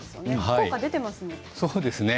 効果が出ていますね。